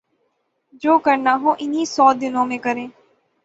جو کرنا ہو انہی سو دنوں میں کریں۔